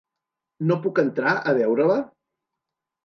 No puc entrar a veure-la?